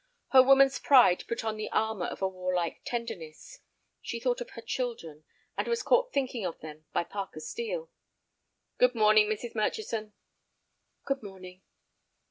Her woman's pride put on the armor of a warlike tenderness. She thought of her children, and was caught thinking of them by Parker Steel. "Good morning, Mrs. Murchison." "Good morning."